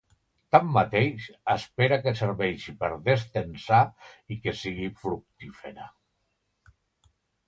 Tanmateix, espera que serveixi per destensar i que sigui fructífera.